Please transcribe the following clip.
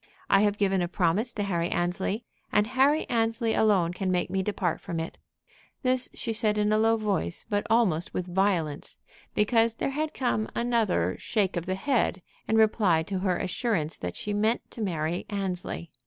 I have given a promise to Harry Annesley, and Harry Annesley alone can make me depart from it." This she said in a low voice, but almost with violence, because there had come another shake of the head in reply to her assurance that she meant to marry Annesley.